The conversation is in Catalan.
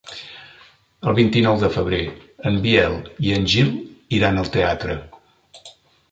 El vint-i-nou de febrer en Biel i en Gil iran al teatre.